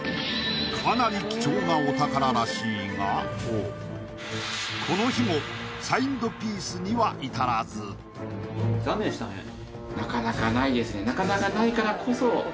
かなり貴重なお宝らしいがこの日もサインドピースには至らずんじゃないかと思います